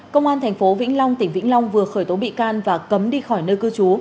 công an tp vĩnh long tỉnh vĩnh long vừa khởi tố bị can và cấm đi khỏi nơi cư trú